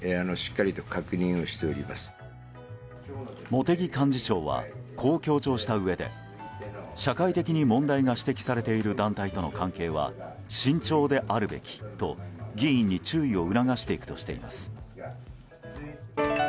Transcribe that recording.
茂木幹事長はこう強調したうえで社会的に問題が指摘されている団体との関係は慎重であるべきと、議員に注意を促していくとしています。